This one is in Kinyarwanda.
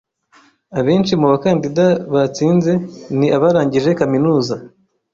Abenshi mu bakandida batsinze ni abarangije kaminuza.